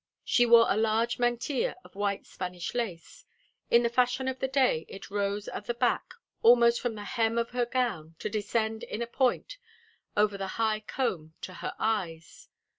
She wore a large mantilla of white Spanish lace. In the fashion of the day it rose at the back almost from the hem of her gown to descend in a point over the high comb to her eyes.